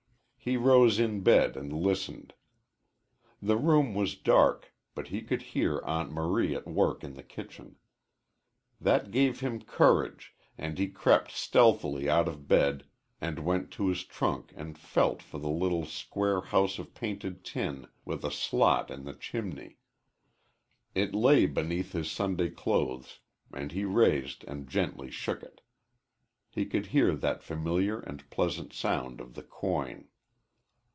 He rose in bed and listened. The room was dark, but he could hear Aunt Marie at work in the kitchen. That gave him courage, and he crept stealthily out of bed and went to his trunk and felt for the little square house of painted tin with a slot in the chimney. It lay beneath his Sunday clothes, and he raised and gently shook it. He could hear that familiar and pleasant sound of the coin.